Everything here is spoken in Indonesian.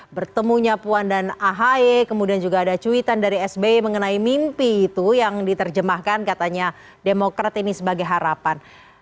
bertemunya puan dan ahy kemudian juga ada cuitan dari sby mengenai mimpi itu yang diterjemahkan katanya demokrat ini sebagai harapan